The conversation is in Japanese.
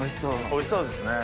おいしそうですね。